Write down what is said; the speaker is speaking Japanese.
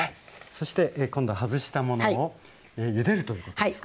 そして今度は外したものをゆでるということですか？